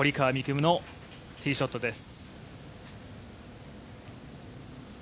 夢のティーショットです。